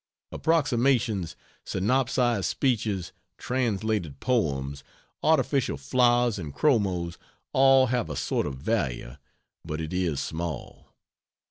Approximations, synopsized speeches, translated poems, artificial flowers and chromos all have a sort of value, but it is small.